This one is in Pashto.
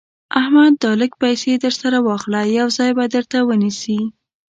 احمده دا لږ پيسې در سره واخله؛ يو ځای به درته ونيسي.